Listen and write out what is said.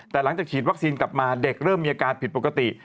แต่หลังจากฉีดวัคซีนกลับมาเด็กเริ่มมีอาการผิดปกติ